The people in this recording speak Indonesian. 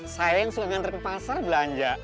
saya yang suka ngantri ke pasar belanja